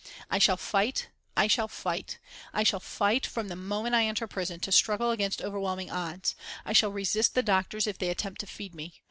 "I shall fight, I shall fight, I shall fight, from the moment I enter prison to struggle against overwhelming odds; I shall resist the doctors if they attempt to feed me.